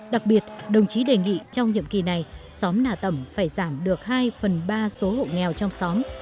đặc biệt đồng chí đề nghị trong nhiệm kỳ này xóm nà tẩm phải giảm được hai phần ba số hộ nghèo trong xóm